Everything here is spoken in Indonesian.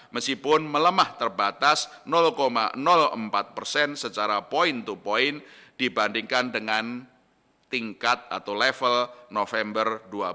meskipun melemah terbatas empat persen secara point to point dibandingkan dengan tingkat atau level november dua ribu dua puluh